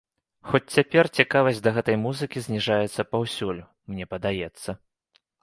Хоць, цяпер цікавасць да гэтай музыкі зніжаецца паўсюль, мне падаецца.